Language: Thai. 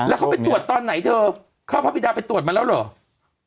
แล้วเขาไปตรวจตอนไหนเธอเข้าพระบิดาไปตรวจมาแล้วเหรอ